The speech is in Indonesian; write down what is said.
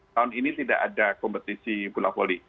tahun ini tidak ada kompetisi gula volley